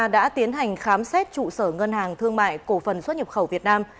đã tiến hành khám xét trụ sở ngân hàng thương mại cổ phần xuất nhập khẩu việt nam